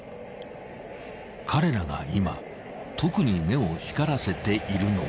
［彼らが今特に目を光らせているのは］